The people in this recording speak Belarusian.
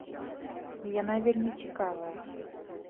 І яна вельмі цікавая.